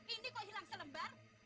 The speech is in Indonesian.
ini kok hilang selembar